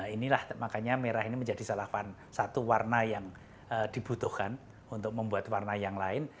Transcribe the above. inilah makanya merah ini menjadi salah satu warna yang dibutuhkan untuk membuat warna yang lain